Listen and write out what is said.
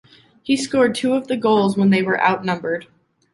He scored two of the goals when they were outnumbered.